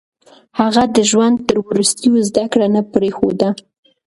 هغه د ژوند تر وروستيو زده کړه نه پرېښوده.